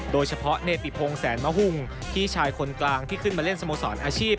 โดยเฉพาะเนติพงแสนมะหุ้งพี่ชายคนกลางที่ขึ้นมาเล่นสโมสรอาชีพ